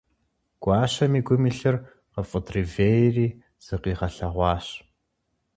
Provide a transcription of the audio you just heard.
Гуащэм и гум илъыр къыфӀыдривейри, зыкъигъэлъэгъуащ.